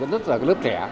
rất là lớp trẻ